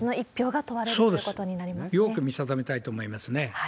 よーく見定めたいと思いますね。